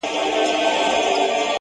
• چي زموږ څه واخله دا خيرن لاســـــونه؛